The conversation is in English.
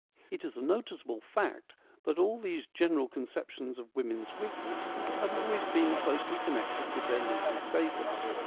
It is a noticeable fact that all these general con ceptions of women's weakness have always been closely connected with their legal status.